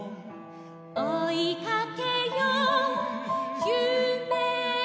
「おいかけよう夢を」